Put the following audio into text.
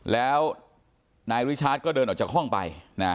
แล้วนายรุชาติก็เดินออกจากห้องไป